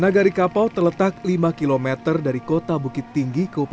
nagari kapau terletak lima km dari kota bukit tinggi